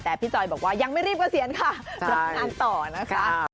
แต่พี่จอยบอกว่ายังไม่รีบเกษียณค่ะรับงานต่อนะคะ